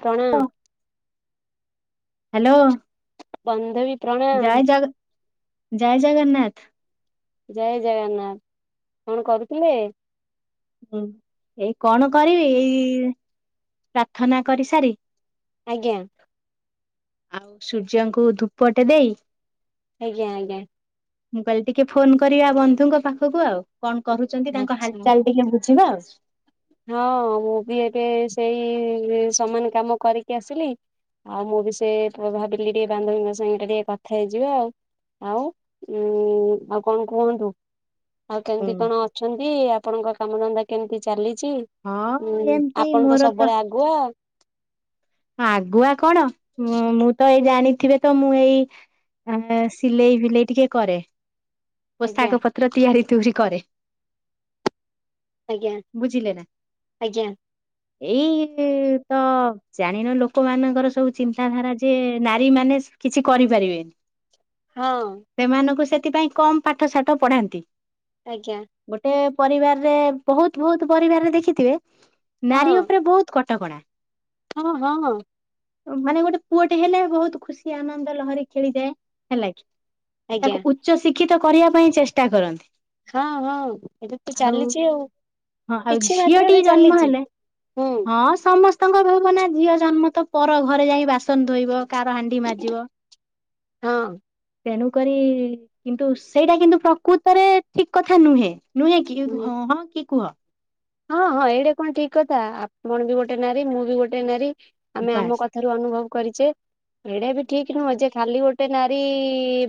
କଣ। [inaudible] ହାଲୋ। ବାନ୍ଧବି। ଜୟ ଜଗ ଜୟ ଜଗନ୍ନାଥ। ଜୟ ଜଗନ୍ନାଥ କଣ କରୁଥିଲେ? ହୁଁ ଏଇ କଣ କରିବି ଏଇ ପ୍ରାର୍ଥନା କରି ସାରି। ଆଜ୍ଞା। ଆଉ ସୂର୍ଯ୍ୟଙ୍କୁ ଧୂପଟେ ଦେଇ। ଆଜ୍ଞା ଆଜ୍ଞା। ମୁଁ କହିଲି ଟିକେ ଫୋନ କରିବା ବନ୍ଧୁଙ୍କ ପାଖକୁ ଆଉ କଣ କରୁଛନ୍ତି ତାଙ୍କ ହାଲ ଆଚ୍ଛା ଚାଲ ଟିକେ। ଝିବା ଆଉ। ହଁ ମୁଁ ବି ଏବେ ସେଇ ସମାନ କାମ କରିକି ଆସିଲି। ଆଉ ମୁଁ ବି ସେ ଭାବିଲି ଟିକେ ବାନ୍ଧବୀଙ୍କ ସାଙ୍ଗରେ ଟିକେ କଥା ହେଇଯିବା ଆଉ। ଆଉ ଉ ଆଉ କଣ କୁହନ୍ତୁ। ଆଉ ହୁଁ କେମିତି କଣ ଅଛନ୍ତି ଆପଣଙ୍କ କାମ ଧନ୍ଦା କେମିତି ଚାଲି ଚି ହଁ ଉଁ ଏମିତି ଆପଣ ତ ମୋର ସବୁବେଳେ ଆଗୁଆ। ଆଗୁଆ କଣ ମୁଁ ତ ଏଇ ଜାଣିଥିବେ ତ ମୁଁ ଏଇ ସିଲେଇ ଫିଲେଇ ଟିକେ କରେ। ଆଜ୍ଞା ପୋଷାକ ପତ୍ର ତିଆରି ତୁରି କରେ। ଆଜ୍ଞା ବୁଝିଲେ ନା ଆଜ୍ଞା। ଏଇ ତ ଜାଣିନ ଲୋକମାନାନଙ୍କର ସବୁ ଚିନ୍ତାଧାରା ଯେ ନାରୀ ମାନେ କିଛି କରିପାରିବେନି ହଁ ସେମାନଙ୍କୁ ସେଥିପାଇଁ କମ ପାଠ ସାଠ ପଢାନ୍ତି। ଆଜ୍ଞା। ଗୋଟେ ପରିବାରରେ ବହୁତ ବହୁତ ପରିବାରରେ ଦେଖିଥିବେ ହଁ ନାରୀ ଉପରେ ବହୁତ କଟକଣା ହଁ ହଁ। ମାନେ ଗୋଟେ ପୁଅଟେ ହେଲେ ବହୁତ ଖୁସି ଆନନ୍ଦ ଲହରୀ ଖେଳିଯାଏ ହେଲା କି ଆଜ୍ଞା ତାକୁ ଉଚ୍ଚ ଶିକ୍ଷିତ କରିବା ପାଇଁ ଚେଷ୍ଟା କରନ୍ତି। ହଁ ହଁ ଏବେ ତ ଚାଲିଛି ଆଉ। ହଁ ଆଉ କିଛି ମାତ୍ରାରେ ଝିଅଟିିକ ଜନ୍ମ ଚାଲିଛି ହେଲେ ହୁଁ ହଁ ସମସ୍ତେ ଙ୍କ ଭାବନା ଝିଅ ଜନ୍ମ ତ ପର ଘରେ ଯାଇ ବାସନ ଧୋଇବ କାର ହାଣ୍ଡି ମାଜିବ ହଁ ତେଣୁ କରି କିନ୍ତୁ ସେଇଟା କିନ୍ତୁ ପ୍ରକୃତରେ ଠିକ କଥା ନୁହେଁ। ନୁହେଁ କି ହୁଁ ହଁ ହଁ କିଏ କୁହ? ହଁ ହଁ ଏଇଟା କଣ ଠିକ କଥା ଆପଣ ବି ଗୋଟେ ନାରୀ ମୁଁ ବି ଗୋଟେ ନାରୀ ଆମେ ଆମ ବାସ୍ କଥାରୁ ଅନୁଭବ କରିଛେ, ଏଡା ବି ଠିକ ନୁହଁ ଖାଲି ଗୋଟେ ନାରୀ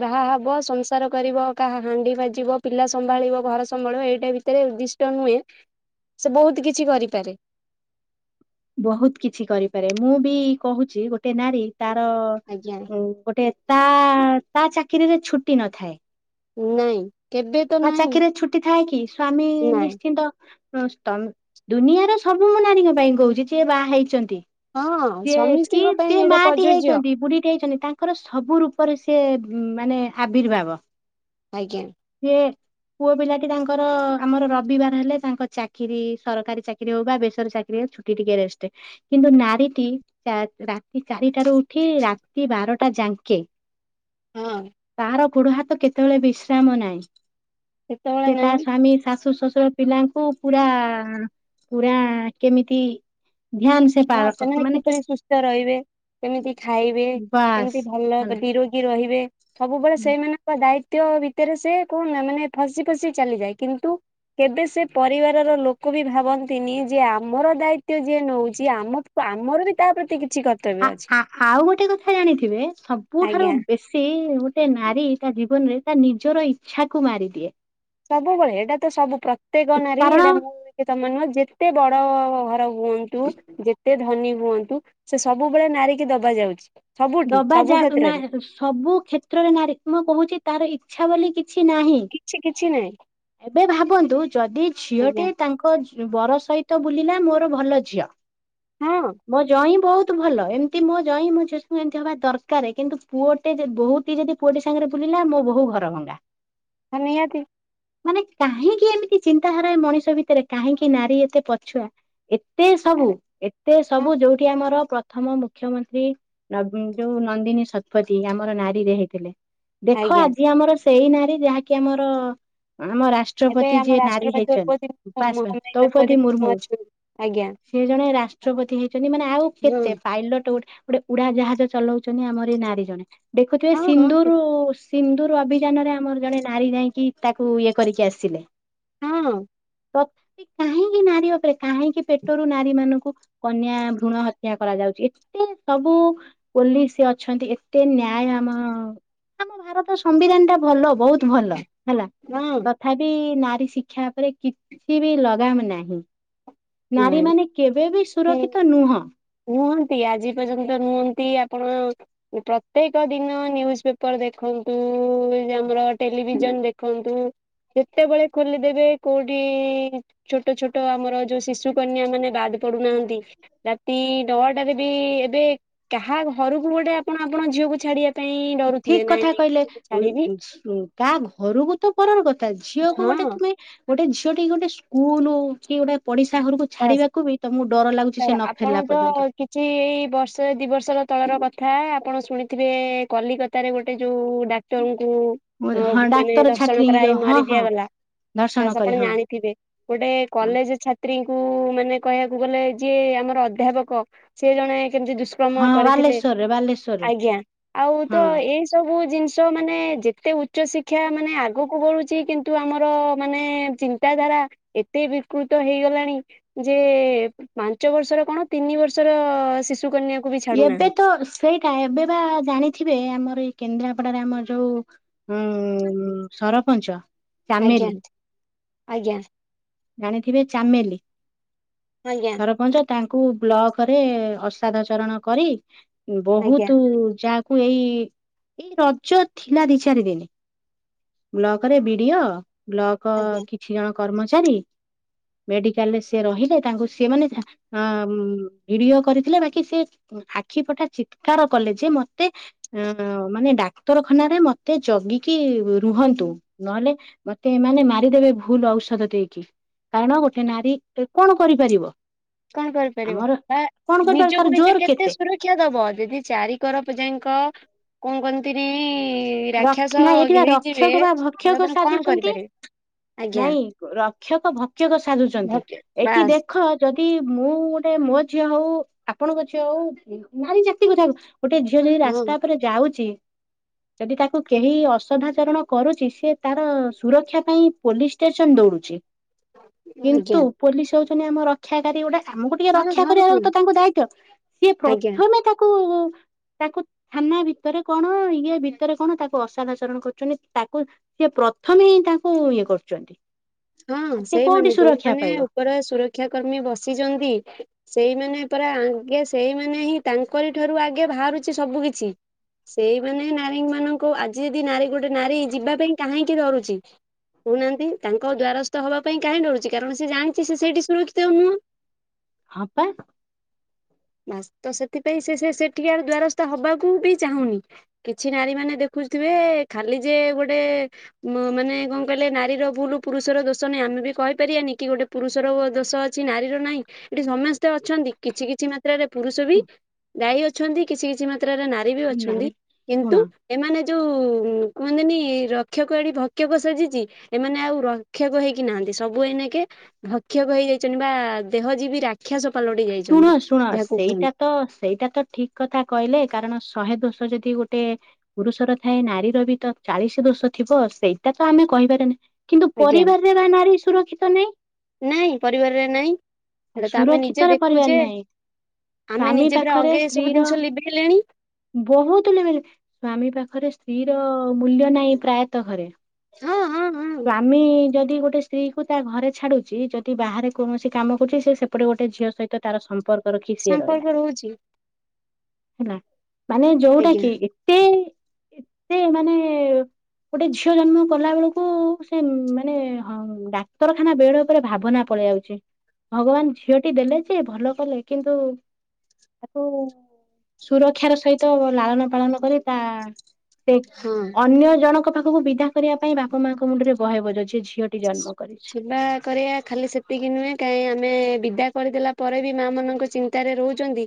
ବାହା ହବ ସଂସାର କରିବ କାହା ହାଣ୍ଡି ବାଜିବ ପିଲା ସମ୍ଭାଳିବ ଘର ସମ୍ବଳ ଏଇଟା ଭିତରେ ଉଦ୍ଦିଷ୍ଟ ନୁହେଁ। ସେ ବହୁତ କିଛି କରିପାରେ ବହୁତ କିଛି କରିପାରେ ମୁଁ ବି କହୁଛି ଗୋଟେ ନାରୀ ତାର ଆଜ୍ଞା ଗୋଟେ ତା ତା ଚାକିରିରେ ଛୁଟି ନଥାଏ। ନାଇଁ! କେବେ ତ ତା ନାଇଁ ଚାକିରିରେ ଛୁଟି ଥାଏ କି ସ୍ଵାମୀ ନାଇଁ ନିଶ୍ଚିନ୍ତ ହ ଦୁନିଆର ସବୁ ମୁଁ ନାରୀଙ୍କ ପାଇଁ କହୁଛି ସି ବାହା ହେଇଛନ୍ତି ହଁ ଯିଏ କି ସମିସ୍ତିଙ୍କ ପାଇଁ ସେିଏ ଏଇଟା ମାଟି ପ୍ରଯୁଜ୍ୟ ହେଇଛନ୍ତି ବୁଢୀଟି ହେଇଛନ୍ତି ତାଙ୍କର ସବୁ ରୂପରେ ସି ମାନେ ଆବିର୍ଭାବ ଆଜ୍ଞା। ହଁ। ପୁଅ ପିଲାଟି ତାଙ୍କର ଆମର ରବିବାର ହେଲେ ତାଙ୍କ ଚାକିରରି ସରକାରୀ ଚାକିରରି ହଉ ବା ବେସର ଚାକିରରି ହଉ ଛୁଟି ଟିକେ ସେ କିନ୍ତୁ ନାରୀ ରାତି ଚାରିଟ ର ଉଠି ରାତି ବାରଟା ଯାଙ୍କେ ହଁ ତାର ବୁଢ ହାତ କେତେବେଳେ ବିଶ୍ରାମ ନାହିଁ। ସେତେବେଳେ ସେଟ ନାଇଁ ସଵାମୀ ଶ ଶଶ୍ୱଶୁର ପିଲାଙ୍କୁ ପୁରା ପୁରା କେମିତି ଧ୍ୟାନ ସେ ହଁ ପାର ସେମାନେ ମାନେ କେ- କିପରି ସୁସ୍ଥ ରହିବେ କେମିତି ଖାଇବେ ବାସ୍ କେମିତି ଭଲ ହେଲା ବିରୋଗୀ ରହିବେ ସବୁବେଳେ ସେଇମାନଙ୍କ ଦାୟିତଵ ଭିତରେ ସେ କଣ ମାନେ ଫସି ଫସି ଚାଲିଯାଏ, କିନ୍ତୁ କେବେ ସେ ପରିବାରର ଲୋକ ବି ଭାବନ୍ତିନି ଯେ ଆମର ଦାୟିତଵ ଯିଏ ନଉଛି ଯିଏ ଆମ ଆମର ବି ତା ପ୍ରତି କି ଆ ଆଉ ଗୋଟେ କଥା ଜାଣିଥିବେ ସବୁଠାରୁ ଆଜ୍ଞା ବେଶୀ ଗୋଟେ ନାରୀ ତା ଜୀବନରେ ତା ନିଜର ଇଚ୍ଛା କ ମାରିଦିଏ। ସବୁବେଳେ ଏଇଟା ତ ସବୁ ପ୍ରତ୍ୟେକ ନାରୀ କାରଣ ଏଇଟା ମୁଁ ତମ ନୁହ ଯେତେ ବଡ ଘର ହୁଅନ୍ତୁ ଯେତେ ଧନୀ ହୁଅନ୍ତୁ ସେ ସବୁବେଳେ ନାରିକି ଦବା ଯାଉଛି। ସବୁଠି ଦବା ସବୁ ଯା ନା କ୍ଷେତ୍ରରେ ସବୁ କ୍ଷେତ୍ରରେ ନାରୀ ମୁଁ କହୁଛି ତାର ଇଚ୍ଛା ବୋଲି କିଛି ନାହିଁ। କିଛି କିଛି ନାହିଁ ଏବେ ଭାବନ୍ତୁ ଯଦି ଝିଅଟି ଆଜ୍ଞା ତାଙ୍କ ବର ସହିତ ତ ବୁଲିଲା ମୋର ଭଲ ଝିଅ ହଁ ମୋ ଜ ହଁ ବହୁତ ଭଲ ଏମିତି ମୋ ଯାଁ ମ ଏମିତି ହବା ଦରକାର କିନ୍ତୁ ପୁଅଟେ ବହୁତ ହ ଯଦି ପୁଅଟି ସାଙ୍ଗରେ ବୁଲିଲା ମୋ ବୋଉ ଘର ଭଙ୍ଗା ହ ନିହାତି। ମାନେ କାହିଁକି ଏମିତି ଚିନ୍ତାଧାରା ମଣିଷ ଭିତରେ କାହିଁକି ନାରୀ ଏତେ ପଛୁଆ। ଏତେ ସବୁ ଆରେ ଏତେ ହଁ ସବୁ ଯୋଉଠି ଆମର ପ୍ରଥମ ମୁଖ୍ୟମନ୍ତ୍ରୀ ନବିନୀ ଯୋଉ ନନ୍ଦିନୀ ଶତପଥୀ ଆମର ନାରୀରେ ହେଇଥିଲେ ଦେଖ ଆଜ୍ଞା ଆଜି ଆମର ସେଇ ନାରୀ ଯାହାକି ଆମର ଆମ ଏବେ ରାଷ୍ଟ୍ରପତି ଆମ ଯିଏ ନାରୀ ରାଷ୍ଟ୍ରପତି ଦ୍ରୌପଦୀ ହେଇଛନ୍ତି ଉପସ ମହାମୟୀ ଦ୍ରୌପଦୀ ମୁର୍ମୁ। ଅଛନ୍ତି ଆଜ୍ଞା ସେ ଜଣେ ରାଷ୍ଟ୍ରପତି ହେଇଛନ୍ତି ମାନେ ଆଉ ହଁ କେତେ ପାଇଲଟ ଗୋଟେ ଗୋଟେ ଉଡା ଜାହାଜ ଚଲାଉଛନ୍ତି ଆମର ଏଇ ନାରୀ ଜଣେ ଦେଖୁଥିବେ ହଁ ହଁ ସିନ୍ଦୁରୁ ସିନ୍ଦୁର ଅଭିଯାନରେ ଆମର ଜଣେ ନାରୀ ଯାଇକି ତାକୁ ଇଏ କରିକି ଆସିଲେ। ହଁ। [unintelligible] କାହିଁକି ନାରୀ ଉପରେ କାହିଁକି ପେଟରୁ ନାରୀ ମାନଙ୍କୁ କନ୍ୟା ଭ୍ରୁଣ ହତ୍ୟା କରାଯାଉଛି ଏତେ ସବୁ ପୋଲିସି ଅଛନ୍ତି ଏତେ ନ୍ୟାୟ ଆମ ଆମ ଭାରତ ସମ୍ବିଧାନର ଭଲ ବହୁତ ଭଲ ହେଲା ହଁ ତଥାପି ନା ଶିକ୍ଷା ଉପରେ କିଛି ବି ଲଗାମ ନାହିଁ। ହଁ ନାରୀମାନେ କେବେ ବିି ହୁଁ ସୁରକ୍ଷିତ ନୁହଁ। ନୁହନ୍ତି ଆଜି ପର୍ଯ୍ୟନ୍ତ ନୁହନ୍ତି ଆପଣ ପ୍ରତ୍ୟେକ ଦିନ ନିଉଜ ପେପର ଦେଖନ୍ତୁ? ଆମର ଟେଲିଭିଜନ ଦେଖନ୍ତୁ। ଯେତେବେଳେ ଖୋଲିଦେବେ କୋଉଠି ଛୋଟ ଛୋଟ ଆମର ଯୋଉ ଶିଶୁ ଶିଶୁ କନ୍ୟା ମାନେ ବାଦ୍ ପଡୁନାହାନ୍ତି ରାତି ନଅଟାରେ ଜଦି ଏବେ କାହା ଘରକୁ ଗୋଟେପଣ ଆପଣ ଝିଅ କୁ ଛାଡିଆ ଠିକ କଥା କହିଲେ ଉ ତା ଘରକୁ ତ ପରର କଥା ଝିଅକୁ ଗୋଟେ ହଁ ତୁମେ ଗୋଟେ ଝିଅ ଟେ ଗୋଟେ ସ୍କୁଲୁ କି ଗୋଟେ ପଡିଶା ଘରକୁ ବାସ୍ ଛାଡିବାକୁ ବି ତମକୁ ଡର ଲାଗୁଛି ସେ ଧର ନ ଆପଣ ଫେରିଲା ତ ପର୍ଯ୍ୟନ୍ତ। ସ୍ଥଳର କଥା ଆପଣ ଶୁଣିଥିବେ କଲିକତାରେ ଗୋଟେ ଯୋଉ ଡାକ୍ତର କୁ ମୁଁ ଅ ହଁ ମାନେ ଡାକ୍ତର ଦର୍ଶଣ ଛାତ୍ରୀ କରା ଯୋଉ ହେଇ ହଁ ମାରି ହଁ ଦିଆଗଲା। ଦର୍ଶନ ବାସ କରି ଆପଣ ହଁ ଜାଣିଥିବେ ଗୋଟେ ହଁ କଲେଜ ଛାତ୍ରୀଙ୍କୁ ମାନେ କହିବାକୁ ଗଲେ ଯିଏ ଆମର ଅଧ୍ୟାପକ ସିଏ ଜଣେ କେମିତି ଦୁଷ୍କର୍ମ ହଁ କରିଥିଲେ ବାଲେଶ୍ଵରରେ ବାଲେଶ୍ଵରରେ ଆଜ୍ଞା ଆଉ ତ ହଁ ଏଇ ସବୁ ଜିନିଷ ମାନେ ଯେତେ ଉଚ୍ଚ ଶିକ୍ଷା ମାନେ ଆଗକୁ ବଢୁଛି କିନ୍ତୁ ଆମର ମାନେ ଚିନ୍ତାଧାରା ଏତେ ବିକୃତ ତ ହେଇଗଲାଣି ଯେ ପାଞ୍ଚ ବର୍ଷର କଣ ତିନି ବର୍ଷର ଶିଶୁ କନ୍ୟାକୁ ବି ଏବେ ଛାଡୁନାହାନ୍ତି। ତ ସେଇଟା ଏବେ ବା ଜାଣିଥିବେ ଆମର ଏଇ କେନ୍ଦ୍ରାପଡାରେ ଆମର ଯୋଉ ଉ ସରପଞ୍ଚ ଆଜ୍ଞା ଚାମେଲି। ଆଜ୍ଞା। ଜାଣିଥିବେ ଚାମେଲି ଆଜ୍ଞା ସରପଞ୍ଚ ତାଙ୍କୁ ବ୍ଲକରେ ଅସାଧ ଚରଣ କରି ଆଜ୍ଞା ବହୁତ ଯା ଏଇ ଏଇ ରଜ ଥିଲା ଦି ଚାରି ଦିନି। ବ୍ଲକରେ ବିଡିଓ ବ୍ଲକ ଆଜ୍ଞା କିଛି ଜଣ କର୍ମଚାରୀ ମେଡିକାଲ ରେ ସିଏ ରହିଲେ ତାଙ୍କୁ ସିଏ ମାନେ ଭିଡିଓ କରିଥିଲା ବାକି ସେ ଆଖି ପଟା ଚିତ୍କାର କଲେ ଯେ ମତେ ଅ ମାନେ ଡାକ୍ତରଖାନାରେ ମତେ ଜଗିକି ରୁହନ୍ତୁ ନହେଲେ ମତେ ଏମାନୋନେ ମାରିଦେବେ ଭୁଲ ଔଷଧ ଦେଇକି। କାରଣ ଗୋଟେ ନାରୀ କଣ କରିପାରିବ। କଣ କରିପାରିବ ଆମର ବା କଣ କରିପାରିବ ତାର ନିଜକୁ ନିଜେ ଜୋର କେତେ ସୁରକ୍ଷା ଦବ ଯଦି ଚାରିିକରପ ଯାଇ ତ କଣ କୁହନ୍ତିନି। ର ନାଇଁ ଏଠିବା ରକ୍ଷକ ବା ତାହେଲେ ଭକ୍ଷକ ଆପଣ କଣ ସାଜୁଛନ୍ତି କରିପାରିବେ ଆଜ୍ଞା। ନାଇଁ ର ରକ୍ଷକ ଭକ୍ଷକ ସାଜୁଛନ୍ତି ଭକ୍ ଏଠି ବାସ୍ ଦେଖ ଯଦି ତି ମୁଁ ଗୋଟେ ମୋ ଝିଅ ହଉ ଆପଣଙ୍କ ଝିଅ ହଉ ନାରୀ ଜାତି କଥା ହଉ ଗୋଟେ ଝିଅ ଯଦି ହଁ ରାସ୍ତା ଉପରେ ଯାଉଚି ଯଦି ତାକୁ କେହି ଅସଧାଚରଣ କରୁଚି ସେ ତାର ସୁରକ୍ଷା ପାଇଁ ପୋଲିସ ଷ୍ଟେସନ ଦୌଡୁଚି। ଆଜ୍ଞା କିନ୍ତୁ ପୋଲିସ ହଉଛନ୍ତି ଆମ ରକ୍ଷାକାରୀ ଗୁଡା ଆମକୁ ଟିକେ ହଁ ରକ୍ଷା କରିବାର ହଁ ତ ତାଙ୍କୁ ଦାୟିତଵ ସିଏ ଆଜ୍ଞା ପ୍ରଥମେ ତାକୁ ତାକୁ ଥାନା ଭିତରେ କଣ ଇଏ ବିିଲ ଭିତରେ କଣ ତାକୁ ଅସାଧାଚରଣ କରୁଛନ୍ତି ତାକୁ ସିଏ ପ୍ରଥମେ ହିଁ ତାକୁ ଇଏ କରୁଛନ୍ତି। ହଁ ସେ କୋଉଠି ସେଇମାନେ ସୁରକ୍ଷା ଯୋଉମାନେ ପାଇବ ଉପରେ ସୁରକ୍ଷା କର୍ମୀ ବସିଛନ୍ତି ସେଇମାନେ ପରା ଆଙ୍ଗେ ସେଇମାନେ ହିଁ ତାଙ୍କରି ଠାରୁ ଆଗେ ବାହାରୁଛି ସବୁ କିିଛି। ସେଇମାନେ ନାରୀ ମାନଙ୍କୁ ଆଜି ଯଦି ନାରୀ ଗୁଡେ ଗୋଟେ ନାରୀ ଯିବା ପାଇଁ କାହିଁକି ଡରୁଛି କହୁନାହାନ୍ତି ତାଙ୍କ ଦ୍ଵାରସ୍ଥ ହବା ପାଇଁ କାହିଁ ଡରୁଛି କାରଣ ସେ ଜାଣିଛି ସେଇଠି ସୁରକ୍ଷିତ ନୁହଁ। ହଁ ପା। ବାସ୍ ତ ସେଥିପାଇଁ ସେ ସେଠିକି ଆ ଦ୍ଵାରସ୍ଥ ହବାକୁ ବି ଚାହୁଁନି କିଛି ନାରୀ ମାନେ ଦେଖୁଥିବେ ଏ ଖାଲି ଯେ ଗୋଟେ ମାନେ କଣ କହିଲେ ନାରୀର ଭୁଲ୍ ପୁରୁଷର ଦୋଷ ନାହିଁ ଆମେ ବି କହିପାରିବାନି କି ଗୋଟେ ପୁରୁଷର ଦୋଷ ଅଛି ନାରୀର ନାହିଁ ଏଠି ସମସ୍ତେ ଅଛନ୍ତି କିଛି କିଛି ମାତ୍ରାରେ ପୁରୁଷ ବି ଗାଈ ଅଛନ୍ତି କିଛି କିଛି ମାତ୍ର ମାତ୍ରା ରେ ନାରୀ ବି ଅଛନ୍ତି ନାରୀ କିନ୍ତୁ ଶୁଣ ଏମାନେ ଯୋଉ କୁହନ୍ତିନି ରକ୍ଷକଏଠି ଭକ୍ଷକ ସାଜିଛି ଏମାନେ ଆଉ ରକ୍ଷକ ହେଇକି ନାହାନ୍ତି ସବୁ ଏନା କେ ଭକ୍ଷକ ହେଇଯାଇଛନ୍ତି ବା ଦେହ ଯୀ ବିି ରାକ୍ଷ ଶୁଣ ଶୁଣ ସେଇଟା ତ ସେଇଟା ତ ଠିକ କଥା କହିଲେ କାରଣ ଶହେ ଦୋଷ ଯଦି ଗୋଟେ ପୁରୁଷର ଥାଏ ନାରୀର ବି ତ ଚାଳିଶ ଦୋଷ ଥିବ ସେଇଟା ତ ଆମେ କହିପାରେ ନାହିଁ କିନ୍ତୁ ଆଜ୍ଞା ପରିବାରରେ ବା ନାରୀ ସୁରକ୍ଷିତ ନାଇଁ। ନାଇଁ ପରିବାରରେ ନାଇଁ ଆଉ ଏଇଟା ତ ଆମେ ନିଜେ ସୁରକ୍ଷିତରେ ପରିବାର ଦେଖୁଛେ ନାହିଁ। ଆମେ ସ୍ଵାମୀ ନିଜେ ପୁରା ପାଖରେ ଅଙ୍ଗେ ସ୍ତ୍ରୀ ସବୁ ର ଜିନିଷ ଲିଭେଇଲେଣି ବହୁତ ଲ ମିଳ ସ୍ଵାମୀ ପାଖ ଘରେ ସ୍ତ୍ରୀ ର ମୂଲ୍ୟ ନାହିଁ ପ୍ରାୟତଃ ଘରେ। ହଁ ହଁ। ହଁ ସ୍ଵାମୀ ଯଦି ଗୋଟେ ସ୍ତ୍ରୀ କୁ ତା ଘରେ ଛାଡୁଛି ଯଦି ବାହାରେ କୌଣସି କାମ କରୁଛି ସେ ସେପଟେ ଗୋଟେ ଗୋେ ଝିଅ ସହିତ ତାର ସମ୍ପର୍କ ରଖି ସିଏ ରହିଲା ସମ୍ପର୍କ ରହୁଛି। ହେଲା ମାନେ ଯୋଉଟା ଆଜ୍ଞା କି ଏତେ ଏତେ ମାନେ ଗୋଟେ ଝିଅ ଜନ୍ମ କଲା ବେଳକୁ ହଉ ସେ ମାନେ ହଁ ଡାକ୍ତରଖାନା ବେଡ ଉପରେ ଭାବନା ପଳେଇ ଆଉଚି। ଭଗବାନ ଝିଅଟି ଦେଲେ ଯେ ଭଲ କଲେ କିନ୍ତୁ ତାକୁ ସୁରକ୍ଷାର ସହିତ ଲାଳନ ପାଳନ କରି ତା ସେ ହଁ ଅନ୍ୟ ଜଣଙ୍କ ପାଖକୁ ବିଦା କରିବା ପାଇଁ ବାପା ମାଆଙ୍କ ମୁଣ୍ଡରେ ବହେ ବୋଝ ଛି ଛି। ସେବା କରିବା ଖାଲି ସେତିକି ନୁହେଁ କାଇହିଁ ଆମେ ବିଦା ପଦେଲା ପରେ ବି ମା ମାନଙ୍କ ଚିନ୍ତାରେ ରହୁଛନ୍ତି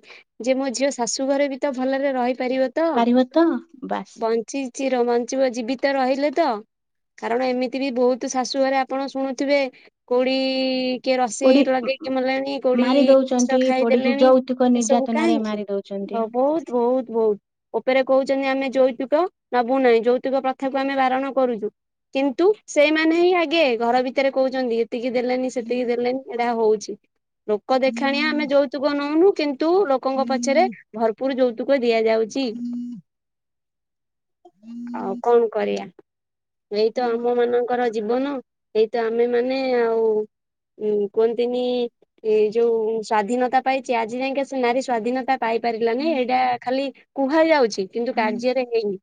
ଯେ ମୋ ଝିଅ ଶାଶୁ ଘରେ ବି ତ ଭଲରେ ରହ ପାରିବ ତ ପାରିବ ତ ବାସ୍ ବଞ୍ଚିଚିର ବଞ୍ଚିବ ଜୀବ ତ ରହିଲେ ତ କାରଣ ଏମିତି ବି ବହୁତ ଶାଶୁଘରେ ଆପଣ ଶୁଣୁଥିବେ କୋଉଡି କିଏ ରସି ପୋଡି ଲଗେଇକି ମଲେଣି କୋଡି ମାରି ଦଉଛନ୍ତି ପୋଡିକି ଖାଇଦେଲେଣି ଯୌତୁକ ଏସବୁ ନିର୍ଯାତନାରେ କାହିଁକି? ମାରି ହ ଦଉଛନ୍ତି। ବହୁତ ବହୁତ ବହୁତ ଉପରେ କହୁଛନ୍ତି ଆମେ ଯୌତୁକ ନବୁନାହିଁ ଯୌତୁକ ପ୍ରଥାକୁ ଆମେ ବାରଣ କରୁଛୁ କିନ୍ତୁ ସେ ମାନେ ହିଁ ଆଗେ ଘର ଭିତରେ କହୁଛନ୍ତି ଏତିକି ଦେଲେନି ସେତିକି ଦେଲେନି ଏଟା ହଉଛି। ଲୋକ ଦେଖାଣିଆ ଆମେ ଯୌତୁକ ନଉନୁ କିନ୍ତୁ ଲୋକଙ୍କ ପଛରେ ଭରପୁରର ଯୌତୁକ ଦିଆଯାଉଛି ହୁଁ। ଆଉ କଣ କରିବା ଏଇତ ଆମ ମାନଙ୍କ ଜୀବନ ଏଇତ ଆମେ ମାନେ ଆଉ। ଉଁ କୁହନ୍ତିନି ଏ ଯୋଉ ସ୍ଵାଧୀନତା ପାଇଛି ଆଜି ଯାଇକି ନାରୀ ସ୍ଵାଧୀନତା ପାଇପାରିଲାନି ଏଇଟା ଖାଲି କୁହାଯାଉଛି କିନ୍ତୁ କାର୍ଯ୍ୟରେ ହେଇନି।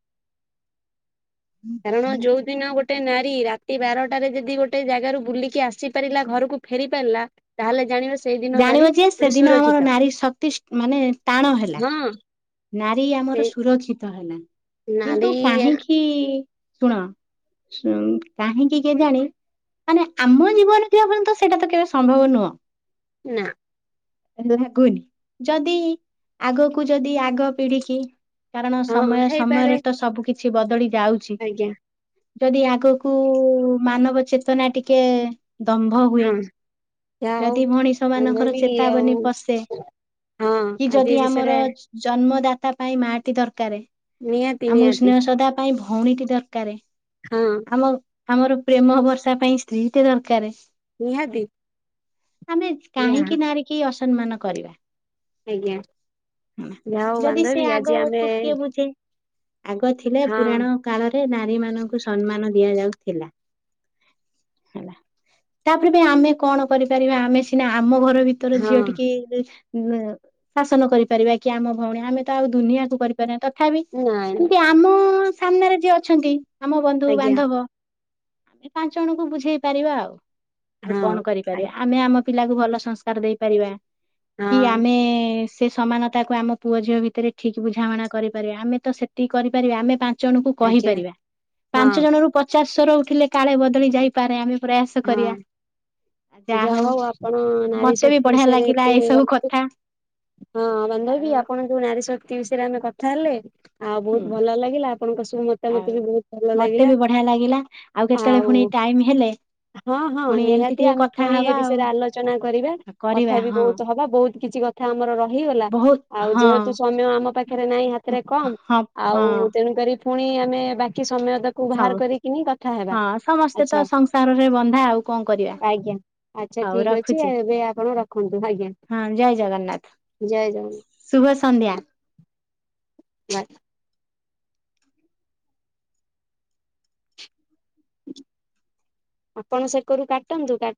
କାରଣ ଯୋଉଦିନ ଗୋଟେ ନାରୀ ରାତି ରାତି ବାରଟାରେ ଯଦି ଗୋଟେ ଜାଗାରୁ ବୁଲିକି ଆସି ପାରିଲା ଘରକୁ ଫେରି ପାରିଲା ତାହେଲେ ଜାଣିବେ ଜାଣିବ ଯେ ସେଦିନ ଆମର ନାରୀ ଶକ୍ତିଷ୍ଟମାନେ ଟାଣ ହେଲା। ହଁ ନାରୀ ସେ ଆମର ସୁରକ୍ଷିତ ହେଲା କିନ୍ତୁ ନାରୀ କାହିଁକି ଶୁଣ କାହିଁକି କିଏ ଜାଣି ମାନେ ଆମ ଜୀବନ କିପର୍ଯ୍ୟନ୍ତ ସେଇଟା ତ କେବେ ସମ୍ଭବ ନୁହଁ। ନା। ଲାଗୁନି ଯଦି ଆଗକୁ ଯଦି ଆଗ ପିଢିକି କାରଣ ହଁ ସମୟ ହେଇପାରେ ସମୟରେ ତ ସବୁ କିିଛି ବଦଳି ଯାଉଛି। ଆଜ୍ଞା ଯଦି ଆଗକୁ ମାନବ ଚେତନା ଟିକେ ଦମ୍ଭ ହୁଏ ହଁ ଯାହା ହଉ ଯଦି ଭଣୀଷମାନଙ୍କର ବାନ୍ଧବୀ ଆଉ ଚେତାବନୀ ପଶେ ହଁ କି ଆଜି ଯଦି ଏ ଆମର ବିଷୟରେ ଜନ୍ମଦାତା ପାଇଁ ମାଟି ଦରକାର ନିହାତି ଆମକୁ ନିହାତି ସ୍ନେହ ଶଦା ପାଇଁ ଭଲ ଭଉଣୀଟି ଦରକାର ହଁ ଆମ ଆମର ପ୍ରେମ ବର୍ଷା ପାଇଁ ସ୍ତ୍ରୀ ଟେ ଦରକାର। ନିହାତି। ଆମେ ଯାହା କାହିଁକି ନାରୀ କି ଅସମ୍ମାନ କରିବା? ଆଜ୍ଞା ଯାହା ହଉ ଯଦି ସେ ବାନ୍ଧବି ଆଜି ଆଗକୁ ଆମେ କିଏ ବୁଝେ ଆଗ ଥିଲେ ହଁ ପୁରାଣ କାଳରେ ନାରୀ ମାନଙ୍କୁ ସମ୍ମାନ ଦିଆଯାଉଥିଲା। ହେଲା ତାପରେ ବି ଆମେ କଣ କରିପାରିବା ଆମେ ସିନା ଆମ ଘର ଭିତରେ ହଁ ଝିଅ ଟିକେ ଶାସନ କରିପାରିବା କି ଆମ ଭଉଣୀ ଆମେ ତ ଆଉ ଦୁନିଆକୁ କରିପାରିବା ତଥାପି ନାଇଁ ନାଇଁ ଏମତି ଆମ ସାମ୍ନାରେ ଯିଏ ଅଛନ୍ତି ଆମ ବନ୍ଧୁ ଆଜ୍ଞା ବାନ୍ଧବ ଆମେ ପାଞ୍ଚ ଜଣଙ୍କୁ ବୁଝେଇ ପାରିବା ଆଉ ଆଉ ହଁ କଣ ହଁ କରିପାରିବା ଆମେ ଆମ ପିଲାକୁ ଭଲ ସଂସ୍କାର ଦେଇପାରିବା କି ଆମେ ସେ ସମାନ ତାକୁ ଆମ ପୁଅ ଝିଅ ଭିତରେ ଠିକ୍ ବୁଝାମଣା କରିପାରିବା ଆମେ ତ ସେକି କରିପାରିବା ଆମେ ପା ପା ଜଣଙ୍କୁ ଆଜ୍ଞା କହିପାରିବା ହଁ ପାଞ୍ଚ ଜଣ ରୁ ପଚାଶଶର ଉଠିଲେ କାଳେ ବଦଳି ଯାଇପାରେ ଆମେ ପ୍ରୟାସ କରିବା। ଯା ହଉ ଆପଣ ନାର ମତେ ବି ଶକ୍ତି ବଢିଆ ଲାଗିଲା ବିଷୟରେତୁ ଏଇ ସବୁ କଥା ହଁ ବାନ୍ଧବୀ ଆଉ ଆପଣ ଯୋଉ ନାରୀ ଶକ୍ତି ବିଷୟରେ ଆମେ କଥା ହେଲେ ଆଉ ହୁଁ। ବହୁତ ଭଲ ଲାଗିଲା ଆପଣଙ୍କ ସବୁ ଆଉ ମତାମତ ବି ବହୁତ ଭଲ ମତେ ଲାଗିଲା ବି ବଢିଆ ଲାଗିଲା କେତେବେଳେ ଆଉ। ପୁଣି ଟାଇମ ହେଲେ ହଁ ହଁ ପୁଣି ଏମିତି ନିହାତି ଟିକେ ଆମେ କଥା ପୁଣି ଏ ହବା ଆଉ ବିଷୟରେ ଆଲୋଚନା କରିବା କଥା କରିବା ବି ହଁ ବହୁତ ହବା ବହୁତ ହୁ କିଛି କଥା ଆମର ହେଗ ବହୁତ ଆଉ ହଁ ଯେହେତୁ ସମୟ ଆମ ପାଖରେ ନାଇଁ ହାତରେ କମ ହଁ ଆଉ ହଁ ତେଣୁ କରି ପୁଣି ଆମେ ବାକି ସମୟ ତାକୁ ବାହାର ସମ କରିକିନି କଥା ହେବା ହଁ ସମସ୍ତେ ତ ଆଛା। ସଂସାରରେ ବନ୍ଧା ଆଉ କଣ କରିବା ଆଜ୍ଞା ଆଚ୍ଛା ହଉ ଠିକ ଅଛି ରଖୁଛି ଏବେ ଆପଣ ରଖନ୍ତୁ ଆଜ୍ଞା। ହଁ ଜୟ ଜଗନ୍ନାଥ। ଜୟ ଜ ଶୁଭ ସନ୍ଧ୍ୟା ହଏ। ଆପଣ ସେକରୁ କାଟନ୍ତୁାଟ